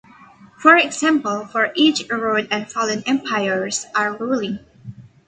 For example, "For each a road" and "Fallen empires are ruling".